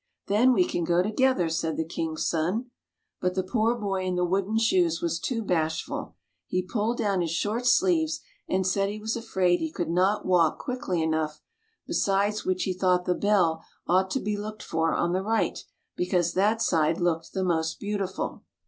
" Then we can go together," said the king's son. But the poor boy in the wooden shoes was too bashful. He pulled down his short sleeves, and said he was afraid he could not walk quickly enough, besides which he thought the bell ought to be looked for on the right, because that side looked the most beautiful.